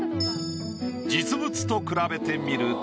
実物と比べてみると。